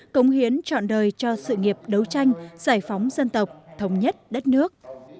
công hiến chọn đời cho sự nghiệp đấu tranh giải phóng dân tộc thống nhất đất nước